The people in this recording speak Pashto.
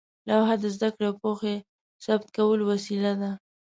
لوحه د زده کړې او پوهې ثبت کولو وسیله وه.